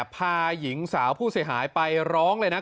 พาหญิงสาวผู้เสียหายไปร้องเลยนะ